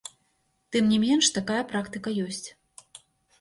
Тым не менш такая практыка ёсць.